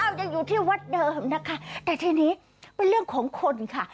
ยังอยู่ที่วัดเดิมนะคะแต่ทีนี้เป็นเรื่องของคนค่ะ